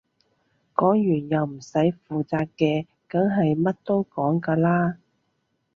講完又唔使負責嘅梗係乜都講㗎啦